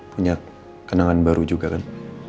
punya kenangan baru juga kan